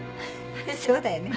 そうだよね。